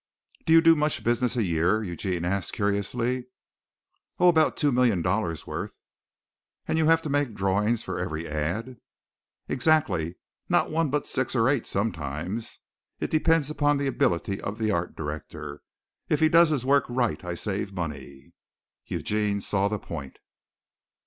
"Do you do much business a year?" Eugene asked curiously. "Oh, about two million dollars' worth." "And you have to make drawings for every ad?" "Exactly, not one but six or eight sometimes. It depends upon the ability of the art director. If he does his work right I save money." Eugene saw the point.